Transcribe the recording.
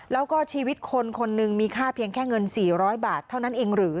แล้วก็ชีวิตคนคนหนึ่งมีค่าเพียงแค่เงิน๔๐๐บาทเท่านั้นเองหรือ